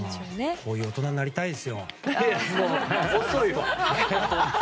こういう大人になりたいですよ。